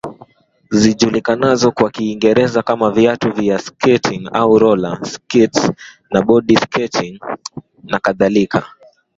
zijuilikanazo kwa Kiingereza kama viatu vya skating au roller skates na bodi skating nakadhalika